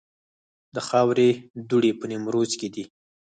د خاورو دوړې په نیمروز کې دي